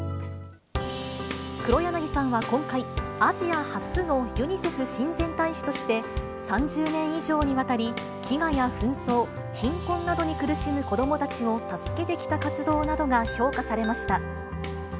黒柳さんは今回、アジア初のユニセフ親善大使として、３０年以上にわたり、飢餓や紛争、貧困などに苦しむ子どもたちを助けてきた活動などが評価されまし